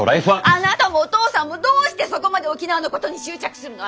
あなたもお父さんもどうしてそこまで沖縄のことに執着するの？